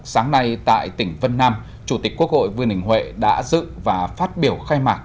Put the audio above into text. sáng nay tại tỉnh vân nam chủ tịch quốc hội vương đình huệ đã dự và phát biểu khai mạc